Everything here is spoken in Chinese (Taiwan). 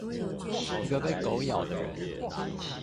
一個被狗咬的人